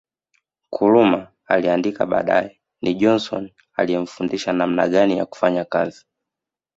Nkrumah aliandika baadae ni Johnson aliyemfundisha namna gani ya kufanya kazi